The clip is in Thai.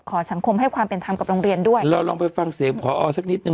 สังคมให้ความเป็นธรรมกับโรงเรียนด้วยเราลองไปฟังเสียงพอสักนิดนึ